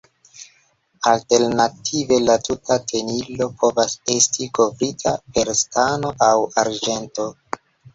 Alternative la tuta tenilo povas estis kovrita per stano aŭ arĝento.